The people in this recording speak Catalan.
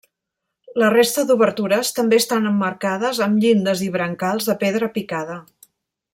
La resta d'obertures també estan emmarcades amb llindes i brancals de pedra picada.